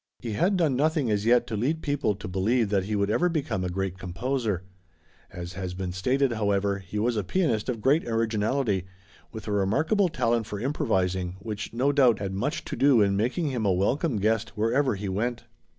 He had done nothing as yet to lead people to believe that he would ever become a great composer. As has been stated, however, he was a pianist of great originality, with a remarkable talent for improvising, which, no doubt, had much to do in making him a welcome guest wherever he went.